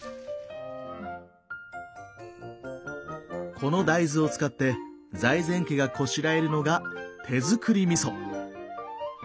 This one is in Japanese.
この大豆を使って財前家がこしらえるのが手造りみそ。